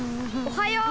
おはよう！